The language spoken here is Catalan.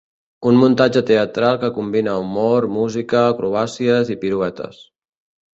Un muntatge teatral que combina humor, música, acrobàcies i piruetes.